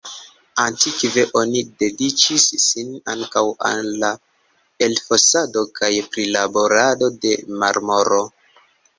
Antikve oni dediĉis sin ankaŭ al la elfosado kaj prilaborado de marmoro.